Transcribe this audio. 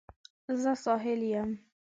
زه ساحل یم